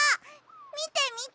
みてみて！